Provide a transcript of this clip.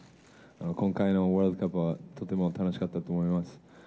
今回のワールドカップは、とても楽しかったと思います。